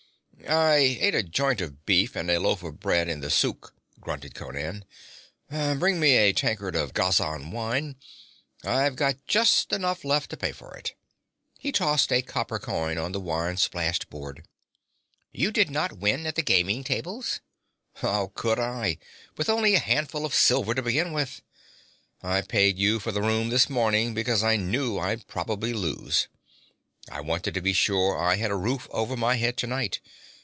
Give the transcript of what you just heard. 'I ate a joint of beef and a loaf of bread in the suk,' grunted Conan. 'Bring me a tankard of Ghazan wine I've got just enough left to pay for it.' He tossed a copper coin on the wine splashed board. 'You did not win at the gaming tables?' 'How could I, with only a handful of silver to begin with? I paid you for the room this morning, because I knew I'd probably lose. I wanted to be sure I had a roof over my head tonight.